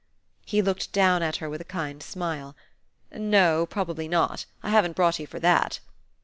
He looked down at her with a kind smile. "No, probably not. I haven't brought you for that."